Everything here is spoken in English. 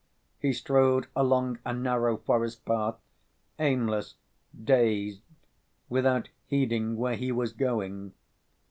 He strode along a narrow forest path, aimless, dazed, without heeding where he was going.